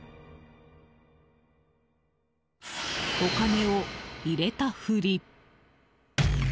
お金を入れた振り。